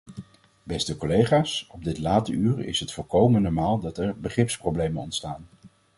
Beste collega's, op dit late uur is het volkomen normaal dat er begripsproblemen ontstaan.